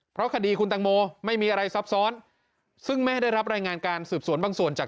เพราะคดีคุณตังโมไม่มีอะไรซับซ้อนซึ่งแม่ได้รับรายงานการสืบสวนบางส่วนจาก